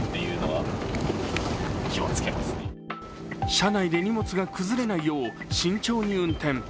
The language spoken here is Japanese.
車内で荷物が崩れないよう慎重に運転。